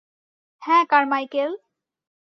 হ্যাঁ, কারমাইকেল।